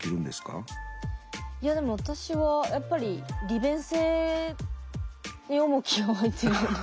いやでも私はやっぱり利便性に重きを置いてるよね。